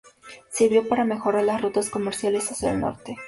Sirvió para mejorar las rutas comerciales hacia el norte.